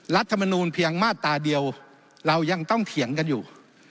รัฐมนูลเพียงมาตราเดียวเรายังต้องเถียงกันอยู่